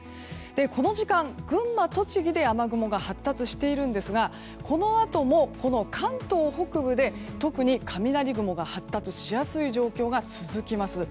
この時間、群馬、栃木で雨雲が発達しているんですがこのあとも、この関東北部で特に雷雲が発達しやすい状況が続きます。